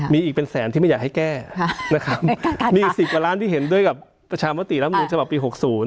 มีอีกเป็นแสนที่ไม่อยากให้แก้มีอีกสิบกว่าล้านที่เห็นด้วยกับประชามติรัมนุษย์เฉพาะปี๖๐